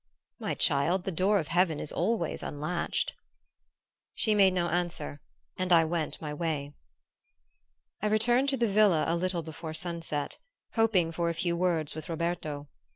"My child, the door of heaven is always unlatched." She made no answer and I went my way. I returned to the villa a little before sunset, hoping for a few words with Roberto.